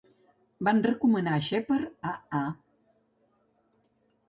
Van recomanar Shepard a A.